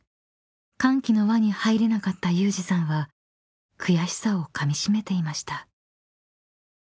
［歓喜の輪に入れなかった有志さんは悔しさをかみしめていました］